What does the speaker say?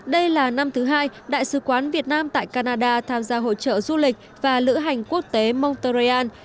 đây là năm thứ hai đại sứ quán việt nam tại canada tham gia hội trợ du lịch và lữ hành quốc tế montreal